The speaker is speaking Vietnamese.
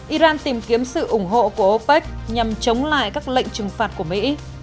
iran tìm kiếm sự ủng hộ của opec nhằm chống lại các lệnh trừng phạt của mỹ